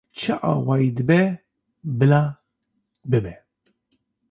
Çi awayî dibe bila bibe